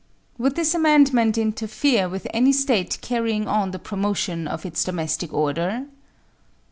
Would this amendment interfere with any State carrying on the promotion of its domestic order?